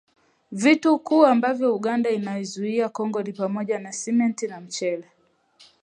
Vitu vikuu ambavyo Uganda inaiuzia Kongo ni pamoja Simenti na mchele